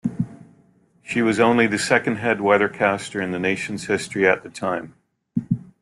She was only the second head weathercaster in the station's history at the time.